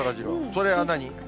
それは何？